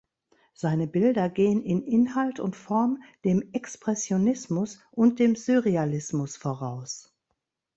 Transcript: Seine Bilder gehen in Inhalt und Form dem Expressionismus und dem Surrealismus voraus.